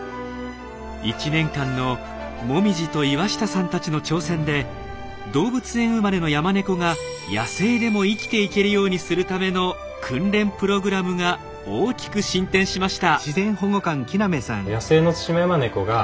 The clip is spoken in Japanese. １年間のもみじと岩下さんたちの挑戦で動物園生まれのヤマネコが野生でも生きていけるようにするための訓練プログラムが大きく進展しました。